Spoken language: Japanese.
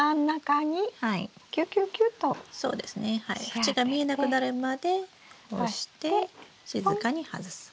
口が見えなくなるまで押して静かに外す。